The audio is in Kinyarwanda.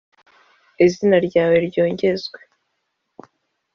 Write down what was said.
izina ryawe ryogezwe